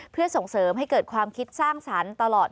เพื่อส่งเสริมให้เกิดความคิดสร้างสรรค์ตลอด